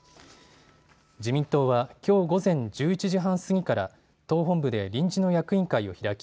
自民党はきょう午前１１時半過ぎから党本部で臨時の役員会を開き